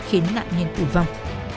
khiến nạn nhân tù vong